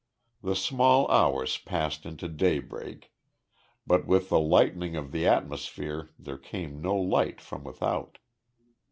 The small hours passed into daybreak, but with the lightening of the atmosphere there came no light from without.